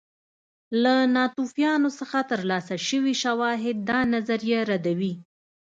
له ناتوفیان څخه ترلاسه شوي شواهد دا نظریه ردوي